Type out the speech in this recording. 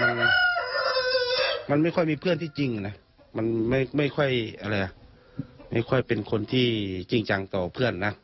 คือคงว่ามันมันไม่ค่อยมีเพื่อนที่จริงเนี่ยมันไม่แค่เป็นคนที่จริงจังต่อเพื่อนนะ